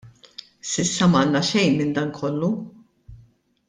S'issa m'għandna xejn minn dan kollu.